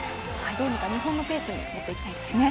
どうにか日本のペースに持っていきたいですね。